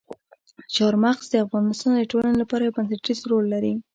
چار مغز د افغانستان د ټولنې لپاره یو بنسټيز رول لري.